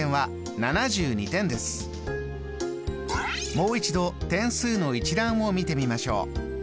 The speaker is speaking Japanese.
もう一度点数の一覧を見てみましょう。